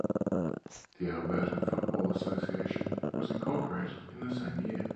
The Alberta Football Association was incorporated in the same year.